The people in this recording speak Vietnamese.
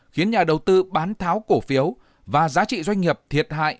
khiến nhà đầu tư bán tháo cổ phiếu và giá trị doanh nghiệp thiệt hại